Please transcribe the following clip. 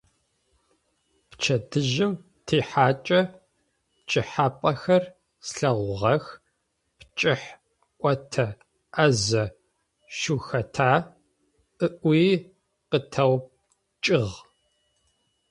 Пчэдыжьым тихьакӏэ, - «Пкӏыхьапӏэхэр слъэгъугъэх, пкӏыхь ӏотэ ӏазэ шъухэта?», - ыӏуи къытэупчӏыгъ.